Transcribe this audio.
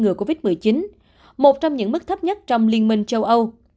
ngừa covid một mươi chín một trong những mức thấp nhất trong liên minh châu âu